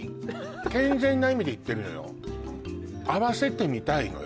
健全な意味で言ってるのよ合わせてみたいのよ